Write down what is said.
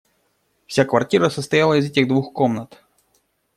Вся квартира состояла из этих двух комнат.